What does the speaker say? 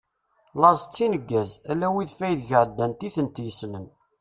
Laẓ d tineggaẓ, ala wid fayeg εeddant i tent-yessenen.